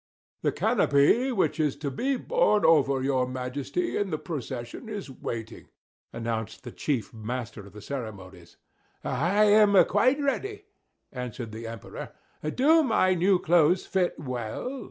"The canopy which is to be borne over your Majesty, in the procession, is waiting," announced the chief master of the ceremonies. "I am quite ready," answered the Emperor. "Do my new clothes fit well?"